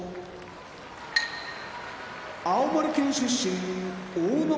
青森県出身阿武松部屋